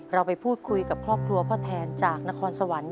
เราไปพูดคุยกับครอบครัวพ่อแทนจากนครสวรรค์